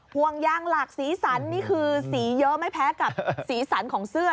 ห่วงยางหลากสีสันนี่คือสีเยอะไม่แพ้กับสีสันของเสื้อ